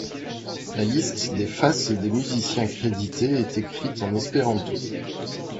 La liste des faces et des musiciens crédités est écrite en espéranto.